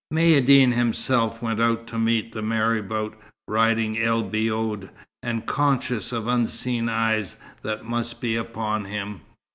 Maïeddine himself went out to meet the marabout, riding El Biod, and conscious of unseen eyes that must be upon him.